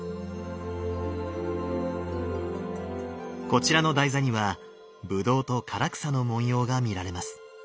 こちらの台座にはぶどうと唐草の文様が見られます。